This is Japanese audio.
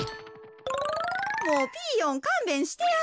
もうピーヨンかんべんしてや。